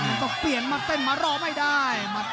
ต้องเปลี่ยนมาเต้นมารอไม่ได้